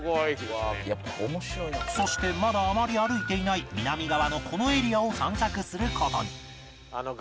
そしてまだあまり歩いていない南側のこのエリアを散策する事に